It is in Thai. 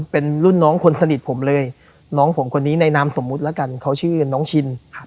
เป็นรุ่นน้องคนสนิทผมเลยน้องผมคนนี้ในนามสมมุติแล้วกันเขาชื่อน้องชิน